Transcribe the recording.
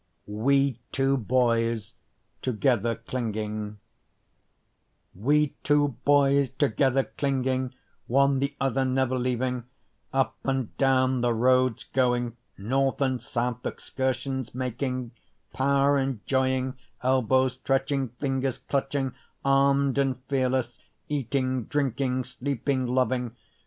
We Two Boys Together Clinging We two boys together clinging, One the other never leaving, Up and down the roads going, North and South excursions making, Power enjoying, elbows stretching, fingers clutching, Arm'd and fearless, eating, drinking, sleeping, loving.